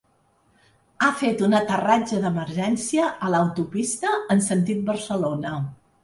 Ha fet un aterratge d’emergència a l’autopista en sentit Barcelona.